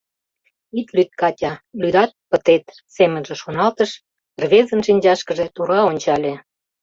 «Ит лӱд, Катя, лӱдат — пытет!» — семынже шоналтыш, рвезын шинчашкыже тура ончале.